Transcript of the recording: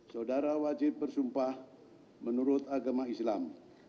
saudara wajib bersumpah menurut agama islam